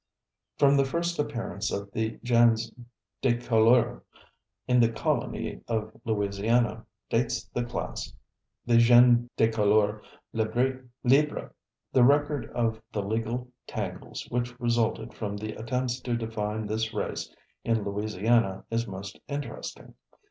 " From the first appearance of the gens de couleur in the colony of Louisiana dates the class, the gens de couleur libres. The record of the legal tangles which resulted from the attempts to define this race in Louisiana is most interesting.